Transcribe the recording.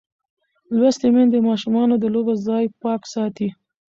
لوستې میندې د ماشومانو د لوبو ځای پاک ساتي.